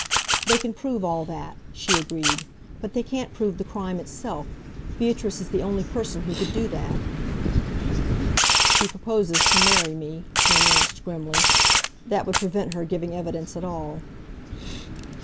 "They can prove all that," she agreed, "but they can't prove the crime itself. Beatrice is the only person who could do that." "She proposes to marry me," he announced grimly. "That would prevent her giving evidence at all."